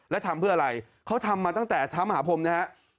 แล้วทำเพื่ออะไรเขาทำมาตั้งแต่ท้ามหาพรมนะฮะ